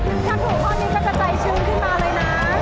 ถ้าถูกข้อนี้ก็จะใจชื้นขึ้นมาเลยนะ